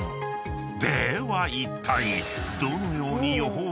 ではいったい］